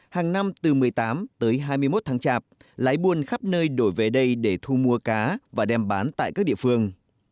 hàng năm từ một mươi tám tới hai mươi một tháng chạp lái buôn khắp nơi đổ về đây để thu mua cá và đem bán tại các địa phương